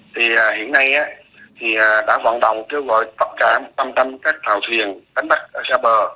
thì hiện nay thì đã vận động kêu gọi tập trả tâm tâm các tàu thuyền đánh bắt ở xa bờ